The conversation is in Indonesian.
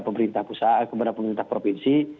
pemerintah pusat kepada pemerintah provinsi